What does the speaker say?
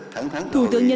thưa thủ tướng nguyễn